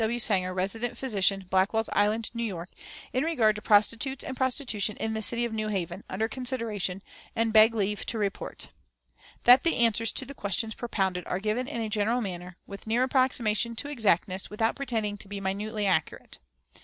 W. Sanger, Resident Physician, Blackwell's Island, New York, in regard to prostitutes and prostitution in the city of New Haven, under consideration, and beg leave to report: "That the answers to the questions propounded are given in a general manner, with near approximation to exactness without pretending to be minutely accurate.